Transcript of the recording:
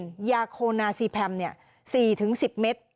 หรือกินยาคอร์นาซีแพม๔๑๐เม็ด